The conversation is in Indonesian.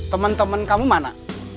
teman teman kamu mana